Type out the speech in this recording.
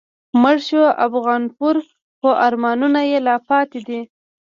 مړ شو افغانپور خو آرمانونه یې لا پاتی دي